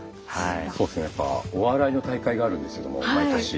そうですねやっぱお笑いの大会があるんですけども毎年。